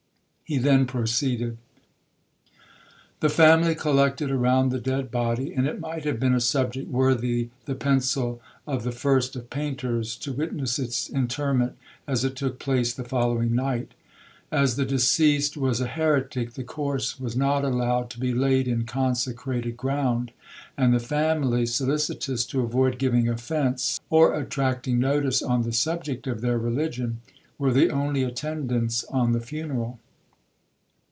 He then proceeded. 'The family collected around the dead body,—and it might have been a subject worthy the pencil of the first of painters, to witness its interment, as it took place the following night. As the deceased was a heretic, the corse was not allowed to be laid in consecrated ground; and the family, solicitous to avoid giving offence, or attracting notice on the subject of their religion, were the only attendants on the funeral.